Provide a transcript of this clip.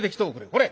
これ。